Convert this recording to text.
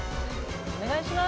お願いします